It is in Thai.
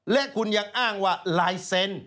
และคุณยังอ้างว่าลายเซ็นต์